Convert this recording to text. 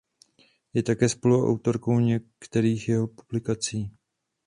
Je také spoluautorkou některých jeho publikací.